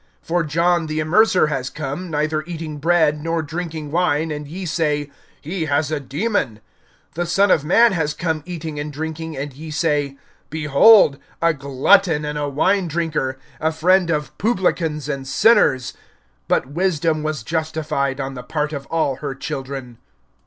(33)For John the Immerser has come, neither eating bread nor drinking wine; and ye say: He has a demon. (34)The Son of man has come eating and drinking; and ye say: Behold a glutton, and a wine drinker, a friend of publicans and sinners. (35)But wisdom was justified on the part of all her children.